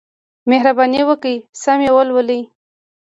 مهرباني وکړئ سم یې ولولئ.